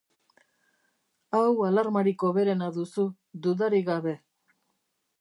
Hau alarmarik hoberena duzu, dudarik gabe.